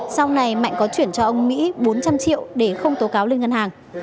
sau này mạnh có chuyển cho ông mỹ bốn trăm linh triệu để không tố cáo lên ngân hàng